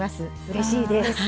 うれしいです。